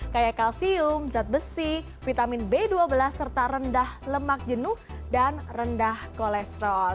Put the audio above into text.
kayak kalsium zat besi vitamin b dua belas serta rendah lemak jenuh dan rendah kolesterol